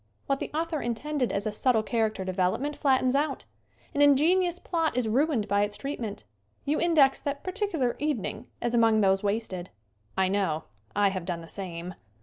What the author intended as a subtle character development flattens out. An inge nious plot is ruined by its treatment. You in dex that particular evening as among those wasted. I know. I have done the same.